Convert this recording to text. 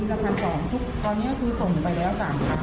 อาทิตย์ละพันสองตอนเนี้ยคือส่งไปแล้วสามพันครับ